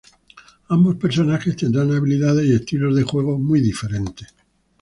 Ambos personajes tendrán habilidades y estilos de juego muy distintos.